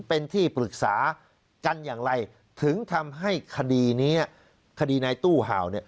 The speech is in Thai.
เป็นที่ปรึกษากันอย่างไรถึงทำให้คดีนี้คดีในตู้เห่าเนี่ย